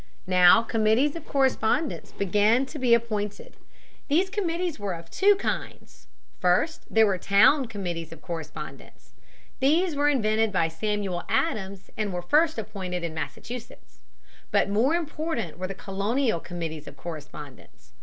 Now Committees of Correspondence began to be appointed. These committees were of two kinds. First there were town Committees of Correspondence. These were invented by Samuel Adams and were first appointed in Massachusetts. But more important were the colonial Committees of Correspondence.